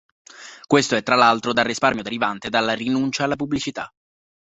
Questo è tra l'altro dal risparmio derivante dalla rinuncia alla pubblicità.